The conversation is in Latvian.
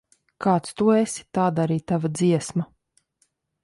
Kāds tu esi, tāda arī tava dziesma.